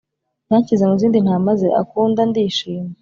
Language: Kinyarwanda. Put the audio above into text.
yanshyize mu zindi ntama ze akunda ndishima